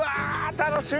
楽しみ！